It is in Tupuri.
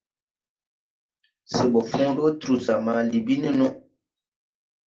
Se ɓɔ fõõ dɔɔ trusa ma Libi nono.